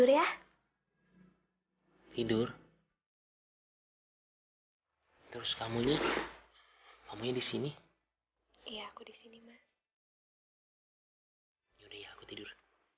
yaudah ya aku tidur